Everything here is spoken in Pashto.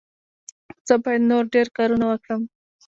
زه باید نور ډېر کارونه وکړم.